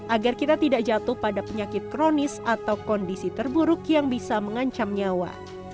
agar kita tidak jatuh pada penyakit kronis atau kondisi terburuk yang bisa mengancam nyawa